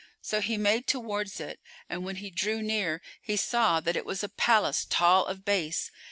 So he made towards it and when he drew near, he saw that it was a palace tall of base.